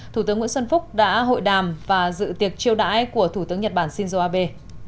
thủ tướng nguyễn xuân phúc đã hội đàm và dự tiệc chiêu đãi của thủ tướng nhật bản shinzo abe